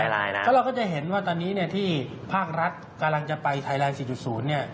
ก็เราก็จะเห็นว่าตอนนี้ที่ภาครัฐกำลังจะไปไทยไลน์๔๐